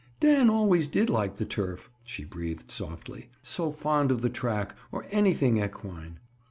"Dan always did like the turf," she breathed softly. "So fond of the track, or anything equine."